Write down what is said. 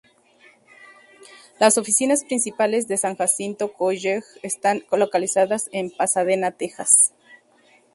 Las oficinas principales de San Jacinto College están localizadas en Pasadena, Texas.